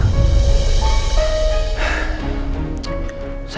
saya malah kehilangan jejaknya pak